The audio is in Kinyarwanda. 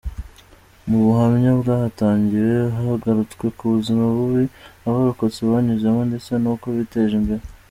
Mu buhamya bwahatangiwe, hagarutswe ku buzima bubi abarokotse banyuzemo, ndetse n’uko biteje imbere.